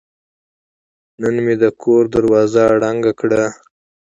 نن مې د کور دروازه رنګ کړه.